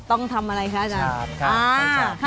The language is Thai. ต้องทำอะไรคะอาจารย์ค่ะขอบคุณค่ะค่ะขอบคุณค่ะค่ะ